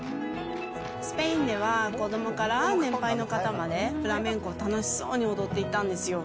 スペインでは、子どもから年配の方まで、フラメンコを楽しそうに踊っていたんですよ。